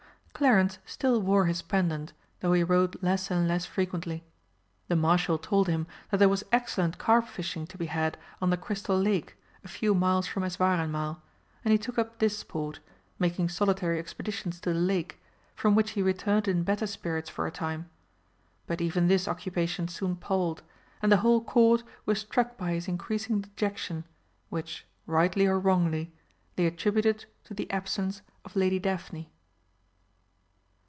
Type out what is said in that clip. Clarence still wore his pendant, though he rode less and less frequently. The Marshal told him that there was excellent carp fishing to be had on the Crystal Lake a few miles from Eswareinmal, and he took up this sport, making solitary expeditions to the lake, from which he returned in better spirits for a time. But even this occupation soon palled, and the whole Court were struck by his increasing dejection, which, rightly or wrongly, they attributed to the absence of Lady Daphne.